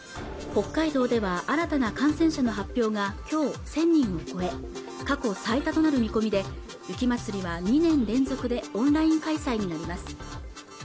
北海道では新たな感染者の発表がきょう１０００人を超え過去最多となる見込みで雪まつりは２年連続でオンライン開催になります